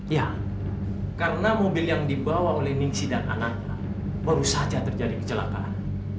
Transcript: ya karena mobil yang dibawa oleh ningsi dan anaknya baru saja terjadi kecelakaan